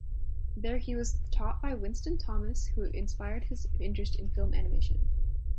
There he was taught by Winston Thomas who inspired his interest in film animation.